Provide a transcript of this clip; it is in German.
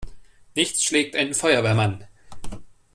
Nichts schlägt einen Feuerwehrmann!